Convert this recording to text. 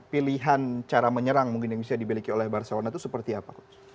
pilihan cara menyerang mungkin yang bisa dibeliki oleh barcelona itu seperti apa coach